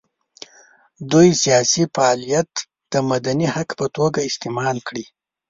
دوی سیاسي فعالیت د مدني حق په توګه استعمال کړي.